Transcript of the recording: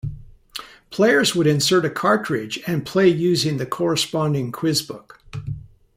Players would insert a cartridge and play using the corresponding quiz book.